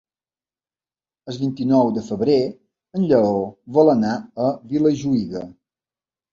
El vint-i-nou de febrer en Lleó vol anar a Vilajuïga.